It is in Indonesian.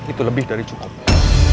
itu lebih dari cukup